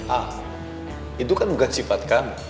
ah itu kan bukan sifat kami